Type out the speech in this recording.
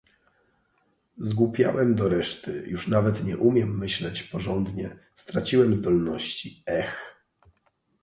"Zgłupiałem do reszty... Już nawet nie umiem myśleć porządnie... straciłem zdolności... Eh!"